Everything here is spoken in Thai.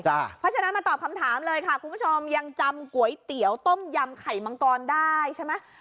เพราะฉะนั้นมาตอบคำถามเลยค่ะคุณผู้ชมยังจำก๋วยเตี๋ยวต้มยำไข่มังกรได้ใช่ไหม